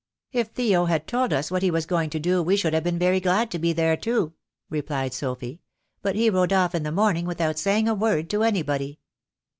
"If Theo had told us what he was going to do we should have been very glad to be there too," replied Sophy, "but he rode off in the morning without saying a word to anybody."